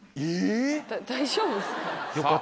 大丈夫ですか？